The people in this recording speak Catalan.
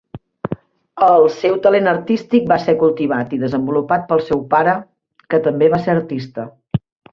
Els seu talent artístic va ser cultivat i desenvolupat pel seu pare, que també va ser artista.